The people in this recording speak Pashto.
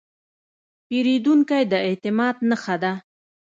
پیرودونکی د اعتماد نښه ده.